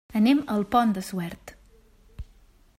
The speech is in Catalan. Anem al Pont de Suert.